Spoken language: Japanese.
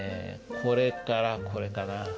これからこれかな。